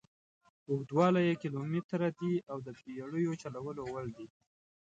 اوږدوالی یې کیلومتره دي او د بېړیو چلولو وړ دي.